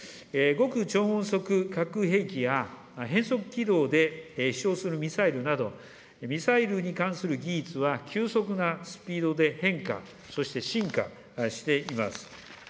極超音速核兵器や、変則軌道で飛しょうするミサイルなど、ミサイルに関する技術は、急速なスピードで変化、そして進化しています。